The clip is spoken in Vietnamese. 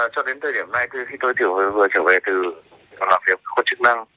cho đến thời điểm này thì tôi thường vừa trở về từ lạc hiểm có chức năng